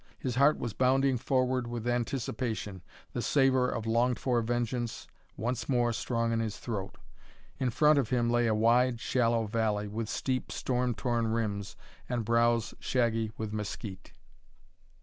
His heart was bounding forward with anticipation, the savor of longed for vengeance once more strong in his throat. In front of him lay a wide, shallow valley, with steep, storm torn rims and brows shaggy with mesquite.